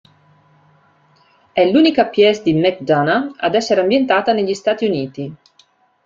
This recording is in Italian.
È l'unica pièce di McDonagh ad essere ambientata negli Stati Uniti.